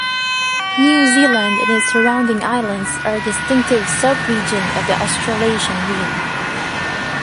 New Zealand and its surrounding islands are a distinctive sub-region of the Australasian realm.